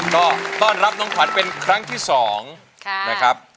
ก็ต้อนรับน้องขวัญเป็นครั้งที่๒นะครับ